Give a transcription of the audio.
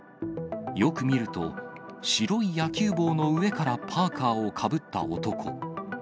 よく見ると、白い野球帽の上からパーカーをかぶった男。